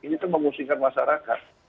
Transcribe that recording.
ini itu mengusingkan masyarakat